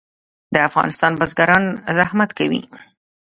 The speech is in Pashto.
د افغانستان بزګران زحمت کوي